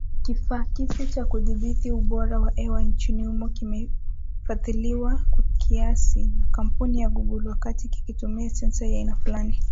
Kifaa kipya cha kudhibiti ubora wa hewa nchini humo kimefadhiliwa kwa kiasi na kampuni ya Google, wakati kikitumia sensa ya aina fulani